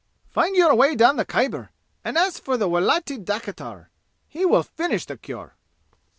"Find your way down the Khyber and ask for the Wilayti dakitar. He will finish the cure."